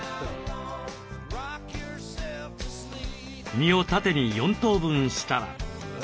身を縦に４等分したら。